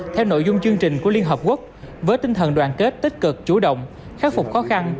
theo nội dung chương trình của liên hợp quốc với tinh thần đoàn kết tích cực chủ động khắc phục khó khăn